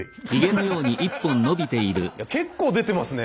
結構出てますね。